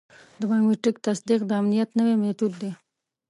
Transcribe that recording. د بایومټریک تصدیق د امنیت نوی میتود دی.